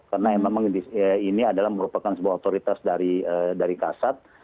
karena memang ini adalah merupakan sebuah otoritas dari kasat